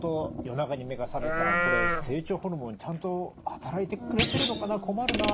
「夜中に目が覚めたこれ成長ホルモンちゃんと働いてくれてるのかな困るな」。